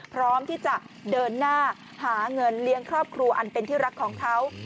พร้อมที่จะเดินหน้าหาเงินเลี้ยงครอบครัวอันเป็นที่รักของเขา